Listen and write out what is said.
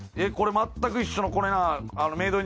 全く一緒のこれな。